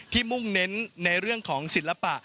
มุ่งเน้นในเรื่องของศิลปะ